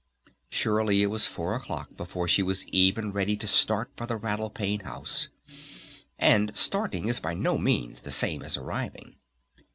Surely it was four o'clock before she was even ready to start for the Rattle Pane House. And "starting" is by no means the same as arriving.